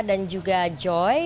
dan juga joy